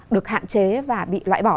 được hạn chế và bị loại bỏ